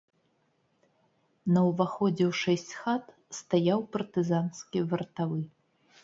На ўваходзе ў шэсць хат стаяў партызанскі вартавы.